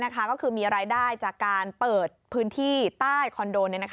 ก็คือมีรายได้จากการเปิดพื้นที่ใต้คอนโด